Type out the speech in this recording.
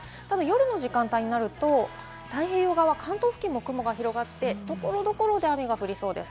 夜の時間帯になると太平洋側、関東付近も雲が広がって所々で雨が降りそうです。